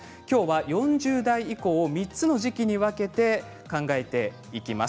４０代以降を３つの時期に分けて考えていきます。